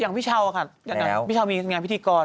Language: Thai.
อย่างพี่เช้าค่ะพี่เช้ามีพิธีกร